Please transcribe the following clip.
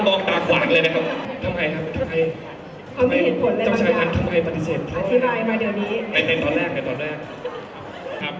เสียงปลดมือจังกัน